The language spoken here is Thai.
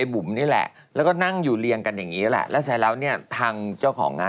บุ๋มปะนัดด่าเป็นอย่างไรบ้าง